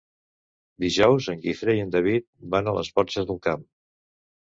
Dijous en Guifré i en David van a les Borges del Camp.